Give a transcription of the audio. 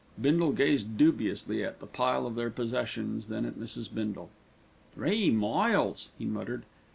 Bindle gazed dubiously at the pile of their possessions, and then at Mrs. Bindle. "Three miles," he muttered.